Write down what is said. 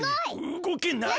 うごけない。